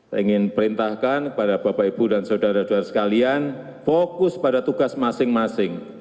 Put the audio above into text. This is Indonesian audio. saya ingin perintahkan kepada bapak ibu dan saudara saudara sekalian fokus pada tugas masing masing